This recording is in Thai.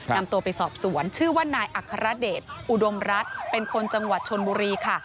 นำตัวไปสอบสวนชื่อว่านายอัครเดชอุดมรัฐเป็นคนจังหวัดชนบุรีค่ะ